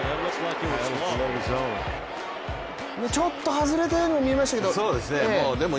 ちょっと外れたようにも見えましたけれども？